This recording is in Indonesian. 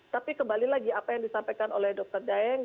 tapi kembali lagi apa yang disampaikan oleh dr daeng